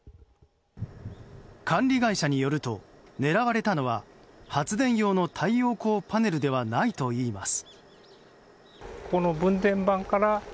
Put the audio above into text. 管理会社によると狙われたのは発電用の太陽光パネルではないといいます。